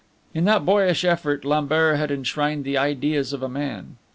In that boyish effort Lambert had enshrined the ideas of a man.